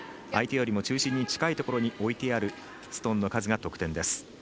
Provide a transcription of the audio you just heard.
相手よりも中心に近いところに置いてあるストーンの数が得点です。